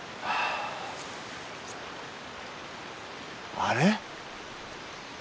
あれ？